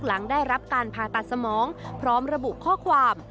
หลังได้รับการผ่าตัดสมองพร้อมระบุข้อความ